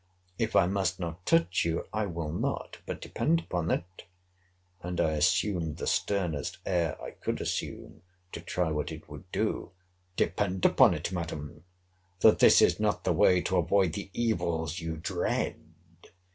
If I must not touch you, I will not.—But depend upon it, [and I assumed the sternest air I could assume, to try what it would do,] depend upon it, Madam, that this is not the way to avoid the evils you dread.